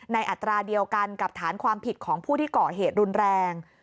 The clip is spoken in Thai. อัตราเดียวกันกับฐานความผิดของผู้ที่ก่อเหตุรุนแรง